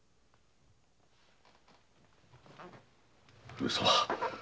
上様！